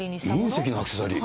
隕石のアクセサリー？